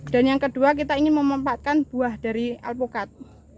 dan yang kedua kita ingin memempatkan buah dari alpukat